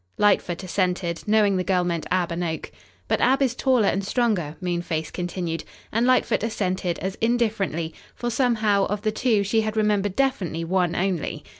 Lightfoot assented, knowing the girl meant Ab and Oak. "But Ab is taller and stronger," Moonface continued, and Lightfoot assented as indifferently, for, somehow, of the two she had remembered definitely one only.